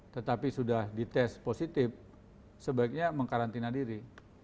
tetapi sudah dites positif sebaiknya mengkarantina diri